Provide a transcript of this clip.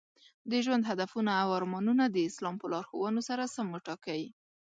د ژوند هدفونه او ارمانونه د اسلام په لارښوونو سره سم وټاکئ.